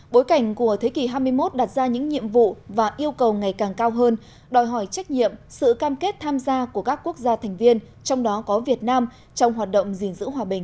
bối cảnh của thế kỷ hai mươi một đặt ra những nhiệm vụ và yêu cầu ngày càng cao hơn đòi hỏi trách nhiệm sự cam kết tham gia của các quốc gia thành viên trong đó có việt nam trong hoạt động gìn giữ hòa bình